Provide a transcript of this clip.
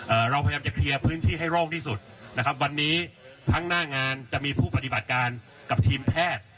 เราพยายามจะเคลียร์พื้นที่ให้โล่งที่สุดนะครับวันนี้ทั้งหน้างานจะมีผู้ปฏิบัติการกับทีมแพทย์